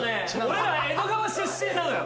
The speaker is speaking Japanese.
俺ら江戸川出身なのよ